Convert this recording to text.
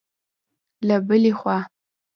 له بلې خوا